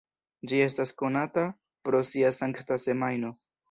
Ĝi estas konata pro sia Sankta Semajno.